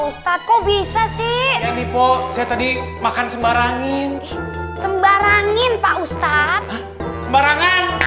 ustadz kok bisa sih ini po saya tadi makan sembarangin sembarangin pak ustadz barangan